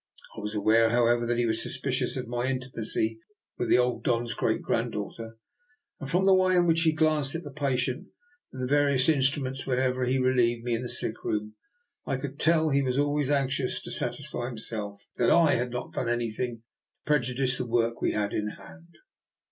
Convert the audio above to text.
I was aware, however, that he was suspicious of my in timacy with the old Don's great granddaugh ter; and from the way in which he glanced at the patient and the various instruments when ever he relieved me in the sick room, I could tell that he was always anxious to satisfy him DR. NIKOLA'S EXPERIMENT. 2II self that I had not done anything to prejudice the work he had in hand.